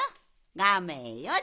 ガメより。